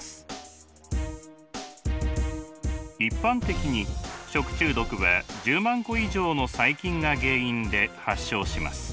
一般的に食中毒は１０万個以上の細菌が原因で発症します。